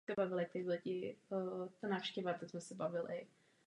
Británii reprezentoval od svého příchodu z Austrálie v padesátých a šedesátých letech.